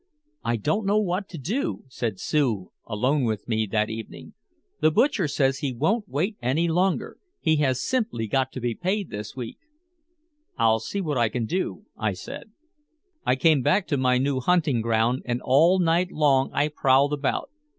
"I don't know what to do," said Sue, alone with me that evening. "The butcher says he won't wait any longer. He has simply got to be paid this week." "I'll see what I can do," I said. I came back to my new hunting ground and all night long I prowled about.